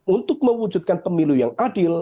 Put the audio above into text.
untuk mewujudkan pemilu yang adil